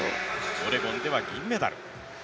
オレゴンでは銀メダル。